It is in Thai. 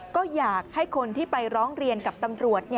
ก็อยากให้คนที่ไปร้องเรียนกับตำรวจ